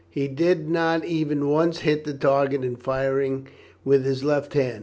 He did not even once hit the target in firing with his left hand.